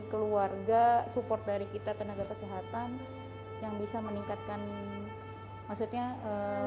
keluarga support dari kita tenaga kesehatan yang bisa meningkatkan maksudnya ee